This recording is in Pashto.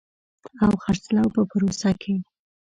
او خرڅلاو په پروسه کې